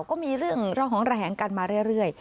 ก็มีเรื่องระหองระแหงกันมาเรื่อย